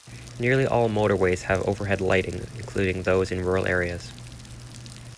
Nearly all motorways have overhead lighting including those in rural areas.